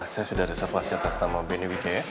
saya sudah ada servasnya kasih sama bni wk